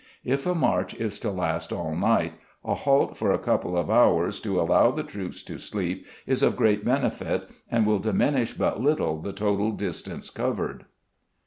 If a march is to last all night, a halt for a couple of hours, to allow the troops to sleep, is of great benefit, and will diminish but little the total distance covered.